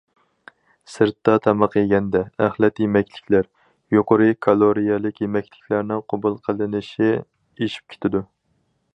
سىرتتا تاماق يېگەندە، ئەخلەت يېمەكلىكلەر، يۇقىرى كالورىيەلىك يېمەكلىكلەرنىڭ قوبۇل قىلىنىشى ئېشىپ كېتىدۇ.